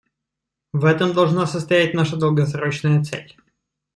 В этом должна состоять наша долгосрочная цель.